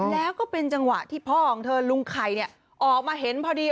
แล้วก็เป็นจังหวะที่พ่อของเธอลุงไข่ออกมาเห็นพอดี